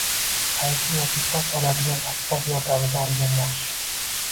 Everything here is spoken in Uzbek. qaychi yoki soch oladigan asbob yordamida olgan yaxshi.